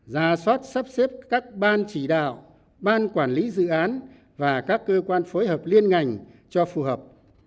ra soát sắp xếp các ban chỉ đạo ban quản lý dự án và các cơ quan phối hợp liên ngành cho phù hợp